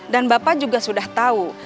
dan bapak juga sudah tahu